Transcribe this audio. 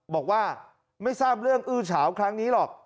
บอกว่าไม่ทราบเรื่องอื้อเฉาครั้งนี้หรอก